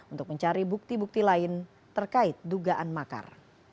untuk mencari bukti bukti lain terkait dugaan makar